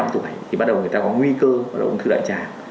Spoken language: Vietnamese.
thì bắt đầu người ta có nguy cơ là ung thư đại tràng